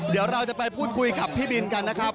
เดี๋ยวเราจะไปพูดคุยกับพี่บินกันนะครับ